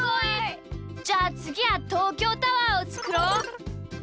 じゃあつぎはとうきょうタワーをつくろう！